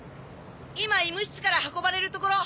今医務室から運ばれるところ。